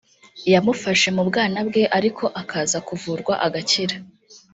yamufashe mu bwana bwe ariko akaza kuvurwa agakira